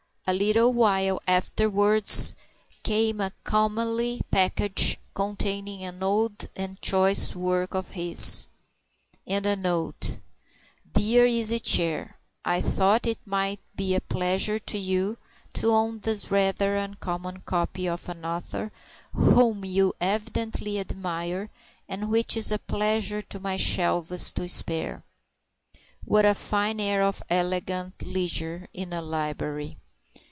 A little while afterwards came a comely package containing an old and choice work of his, and a note: "Dear Easy Chair, I thought it might be a pleasure to you to own this rather uncommon copy of an author whom you evidently admire, and which it is a pleasure to my shelves to spare." What a fine air of elegant leisure in a library!